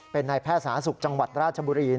เป็นไนแพทย์ศาสนสุขจังหวัดราชบุรี